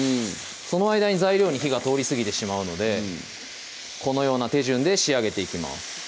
その間に材料に火が通りすぎてしまうのでこのような手順で仕上げていきます